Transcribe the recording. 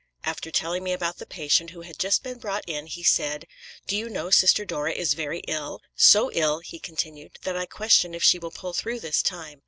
After telling me about the patient who had just been brought in, he said, 'Do you know Sister Dora is very ill? So ill,' he continued, 'that I question if she will pull through this time.'